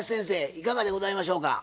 いかがでございましょうか？